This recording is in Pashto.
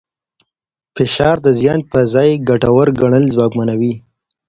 فشار د زیان پر ځای ګټور ګڼل ځواکمنوي.